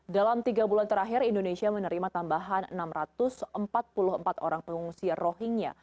dalam tiga bulan terakhir indonesia menerima tambahan enam ratus empat puluh empat orang pengungsi rohingya